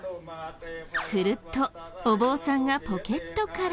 するとお坊さんがポケットから。